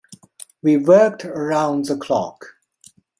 We worked around the clock.